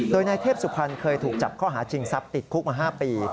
โดยนายเทพสุพรรณเคยถูกจับข้อหาชิงทรัพย์ติดคุกมา๕ปี